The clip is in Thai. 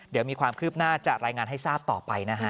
เดี๋ยวมีความคืบหน้าจะรายงานให้ทราบต่อไปนะฮะ